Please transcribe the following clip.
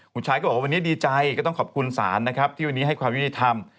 คุณชายก็บอกว่าวันนี้ดีใจก็ต้องขอบคุณศาลนะครับที่วันนี้ให้ความยุติธรรม